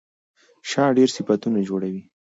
شا ډېر صفتونه جوړوي.